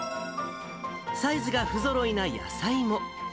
サイズが不ぞろいな野菜も。